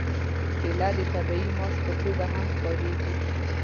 کېله د طبیعي ماسک په توګه هم کارېږي.